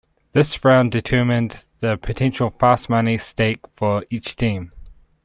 This round determined the potential Fast Money stake for each team.